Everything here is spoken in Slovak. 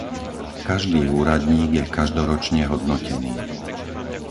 Každý úradník je každoročne hodnotený.